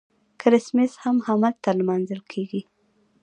کریسمس هم هلته لمانځل کیږي.